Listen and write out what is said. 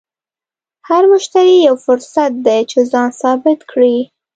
هر مشتری یو فرصت دی چې ځان ثابت کړې.